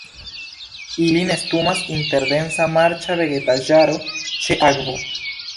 Ili nestumas inter densa marĉa vegetaĵaro ĉe akvo.